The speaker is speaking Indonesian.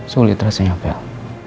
sulit rasanya pak